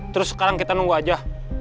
terus sekarang kita nunggu aja